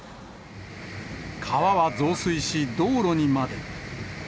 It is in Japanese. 川は増水し、道路にまで。